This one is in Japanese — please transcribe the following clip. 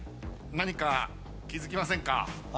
何か気付きませんか？